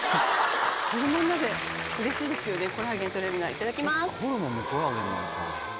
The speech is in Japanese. いただきます。